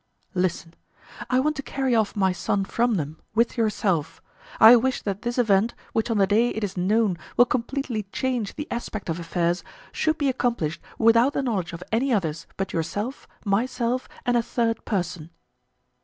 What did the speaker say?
"Listen. I want to carry off my son from them, with yourself. I wish that this event, which on the day it is known will completely change the aspect of affairs, should be accomplished without the knowledge of any others but yourself, myself, and a third person."